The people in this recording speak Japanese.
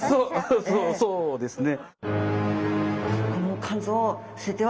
そそうですね。